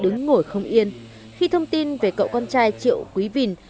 ngồi không yên khi thông tin về cậu con trai triệu quý vìn